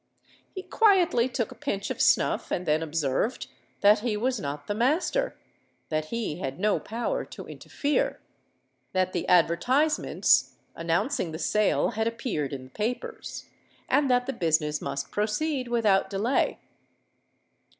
He quietly took a pinch of snuff, and then observed that he was not the master—that he had no power to interfere—that the advertisements, announcing the sale, had appeared in the papers—and that the business must proceed without delay!